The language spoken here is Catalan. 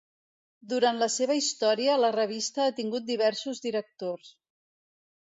Durant la seva història la revista ha tingut diversos directors.